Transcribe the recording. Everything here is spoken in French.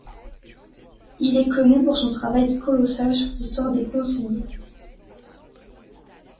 Il est connu pour son travail colossal sur l'histoire des conciles.